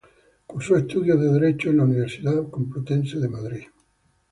Cursó estudios de Derecho en la Universidad de Madrid.